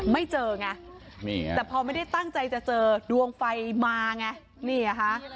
ไม่เจอไงนี่ไงแต่พอไม่ได้ตั้งใจจะเจอดวงไฟมาไงนี่ไงคะ